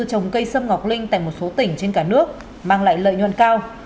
trồng cây sâm ngọc linh tại một số tỉnh trên cả nước mang lại lợi nhuận cao